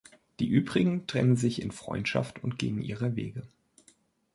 Die übrigen trennen sich in Freundschaft und gehen ihrer Wege.